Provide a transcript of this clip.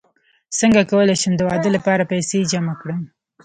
څنګه کولی شم د واده لپاره پیسې جمع کړم